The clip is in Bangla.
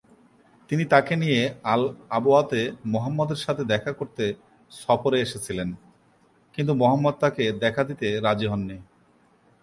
তিনি তাকে নিয়ে আল-আবওয়াতে মুহাম্মদের সাথে দেখা করতে সফরে এসেছিলেন; কিন্তু মুহাম্মদ তাকে দেখা দিতে রাজি হননি।